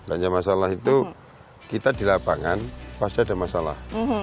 hanya masalah itu kita di lapangan pasti ada masalah